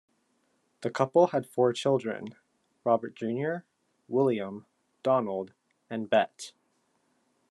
The couple had four children: Robert Junior William, Donald, and Bette.